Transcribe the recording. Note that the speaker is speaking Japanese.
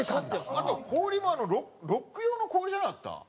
あと氷もあのロック用の氷じゃなかった？